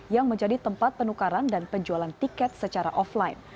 yang menjadi tempat penukaran dan penjualan tiket secara offline